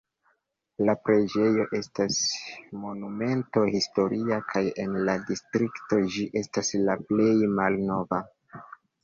La preĝejo estas Monumento historia kaj en la distrikto ĝi estas la plej malnova.